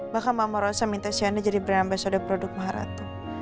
bakal mama rosa minta syena jadi brand ambasada produk maharatu